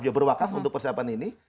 dia berwakaf untuk persiapan ini